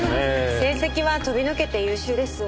成績は飛び抜けて優秀です。